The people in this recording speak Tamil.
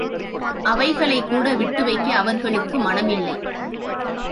அவைகளைக்கூட விட்டு வைக்க அவர்களுக்கு மனமில்லை.